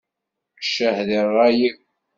Ccah di ṛṛay-iw!